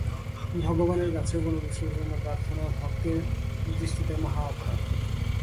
ভগবানের কাছে কোন কিছুর জন্য প্রার্থনা ভক্তের দৃষ্টিতে মহা অপরাধ।